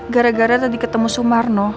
gara gara tadi ketemu sumarno